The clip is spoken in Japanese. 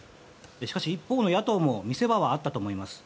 しかし一方の野党も見せ場はあったと思います。